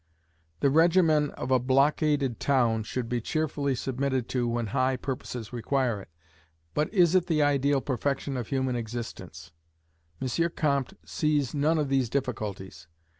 The regimen of a blockaded town should be cheerfully submitted to when high purposes require it, but is it the ideal perfection of human existence? M. Comte sees none of these difficulties.